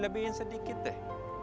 zakat lebih lebih sedikit deh